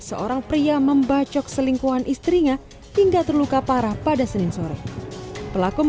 seorang pria membacok selingkuhan istrinya hingga terluka parah pada senin sore pelaku